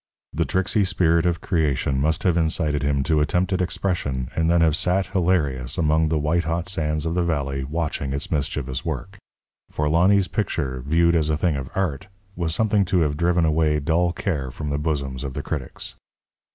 The tricksy spirit of creation must have incited him to attempted expression and then have sat hilarious among the white hot sands of the valley, watching its mischievous work. For Lonny's picture, viewed as a thing of art, was something to have driven away dull care from the bosoms of the critics.